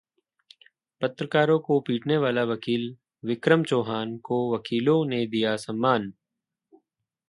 पत्रकारों को पीटने वाले वकील विक्रम चौहान को वकीलों ने दिया सम्मान